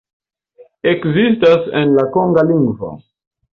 Ekzistas en la konga lingvo.